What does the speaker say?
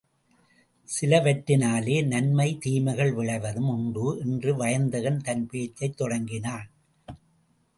சிலவற்றினாலே நன்மை தீமைகள் விளைவதும் உண்டு என்று வயந்தகன் தன் பேச்சைத் தொடங்கினான்.